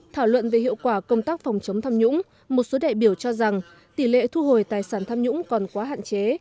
thảo luận về hiệu quả công tác phòng chống tham nhũng một số đại biểu cho rằng tỷ lệ thu hồi tài sản tham nhũng còn quá hạn chế